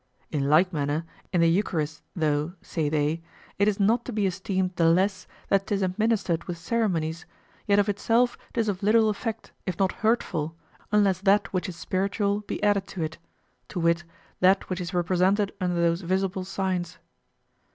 In like manner, in the Eucharist, though, say they, it is not to be esteemed the less that 'tis administered with ceremonies, yet of itself 'tis of little effect, if not hurtful, unless that which is spiritual be added to it, to wit, that which is represented under those visible signs.